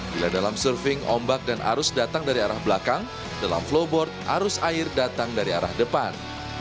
bila dalam surfing ombak dan arus datang dari arah belakang dalam flowboard arus air datang dari arah depan